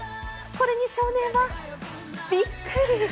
これに少年はびっくり。